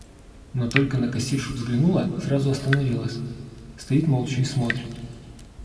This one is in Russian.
Но только на кассиршу взглянула, сразу остановилась, стоит молча и смотрит.